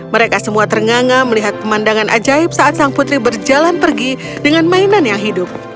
mereka semua ternganga melihat pemandangan ajaib saat sang putri berjalan pergi dengan mainan yang hidup